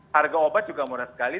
harga obat juga murah sekali